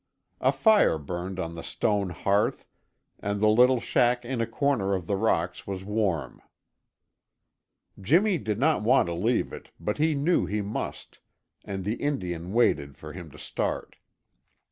A fire burned on the stone hearth and the little shack in a corner of the rocks was warm. Jimmy did not want to leave it, but he knew he must, and the Indian waited for him to start.